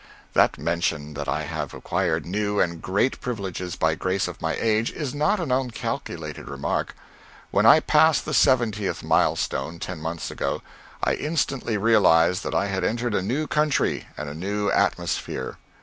That mention that I have acquired new and great privileges by grace of my age, is not an uncalculated remark. When I passed the seventieth mile stone, ten months ago, I instantly realized that I had entered a new country and a new atmosphere.